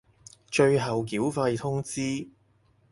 最後繳費通知